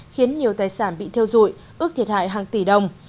khiến nhiều tài sản bị theo dụi ước thiệt hại hàng tỷ đồng